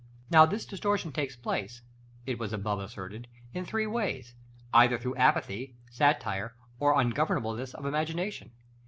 Now this distortion takes place, it was above asserted, in three ways: either through apathy, satire, or ungovernableness of imagination.